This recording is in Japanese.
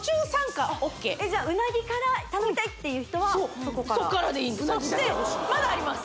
じゃあうなぎから食べたいっていう人はそこからそこからでいいんですそしてまだあります